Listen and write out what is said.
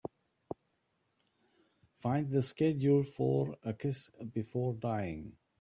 Find the schedule for A Kiss Before Dying.